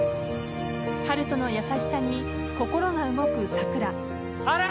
春斗の優しさに心が動く、さくら。